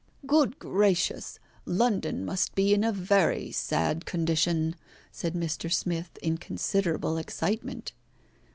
"Good gracious! London must be in a very sad condition," said Mr. Smith, in considerable excitement.